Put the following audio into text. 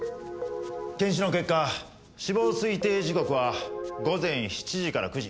検視の結果死亡推定時刻は午前７時から９時。